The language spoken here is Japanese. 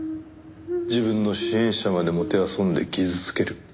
自分の支援者までもてあそんで傷つける。